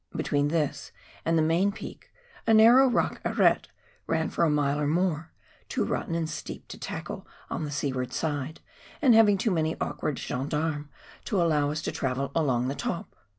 Between this and the main peak a narrow rock arete ran for a mile or more, too rotten and steep to tackle on the seaward side, and having too many awkward gens d' arme ^ to allow us to travel along the top.